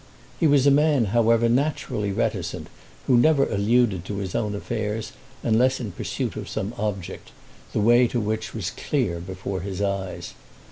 He was a man, however, naturally reticent, who never alluded to his own affairs unless in pursuit of some object the way to which was clear before his eyes.